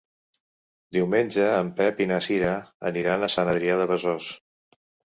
Diumenge en Pep i na Cira aniran a Sant Adrià de Besòs.